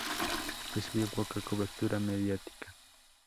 Recibió poca cobertura mediática.